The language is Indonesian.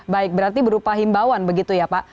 baik berarti berupa himbawan begitu ya pak